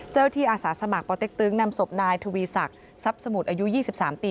เจ้าหน้าที่อาสาสมัครปเต๊กตึ๊งนำสบนายทวีสักทรัพย์สมุทรอายุ๒๓ปี